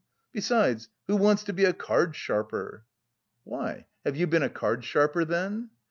"Besides, who wants to be a card sharper?" "Why, have you been a card sharper then?"